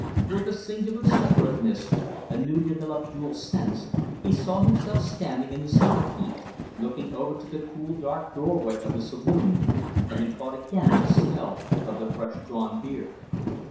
With a singular separateness, a new developed dual sense, he saw himself standing in the summer heat, looking over to the cool dark doorway of the saloon, and he caught again the smell of the fresh drawn beer.